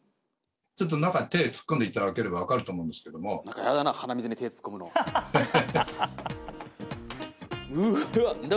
ちょっと中に手突っ込んでいただければ分かると思うんですけどもうわっ何だ？